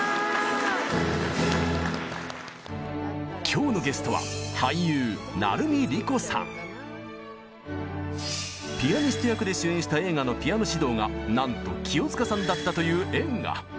今日のゲストはピアニスト役で主演した映画のピアノ指導がなんと清塚さんだったという縁が。